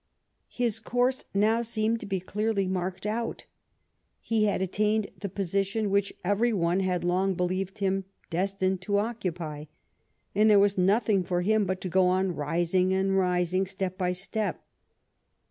His course ROW seemed to be clearly marked out. He had attained the position which every one had long believed him destined to occupy, and there was nothing for him but to go on rising and rising step by step.